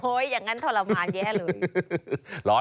อย่างนั้นทรมานแย่เลย